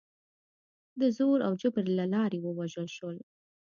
د زور او جبر له لارې ووژل شول.